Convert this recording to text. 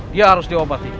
dia harus diobati